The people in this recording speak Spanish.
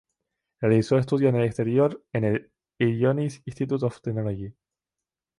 Realizó estudios en el exterior, en el "Illinois Institute of Technology".